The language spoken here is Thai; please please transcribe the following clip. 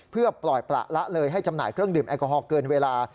เพื่อปล่อยประละเลยให้จำหน่ายเครื่องดื่มแอลกอฮอลเกินเวลา